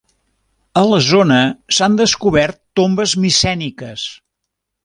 A la zona s'han descobert tombes micèniques.